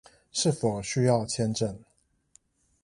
是否需要簽證